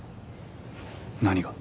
何が？